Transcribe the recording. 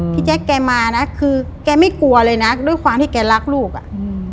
แจ๊คแกมานะคือแกไม่กลัวเลยนะด้วยความที่แกรักลูกอ่ะอืม